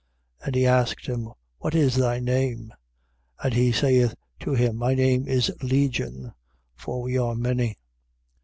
5:9. And he asked him: What is thy name? And he saith to him: My name is Legion, for we are many.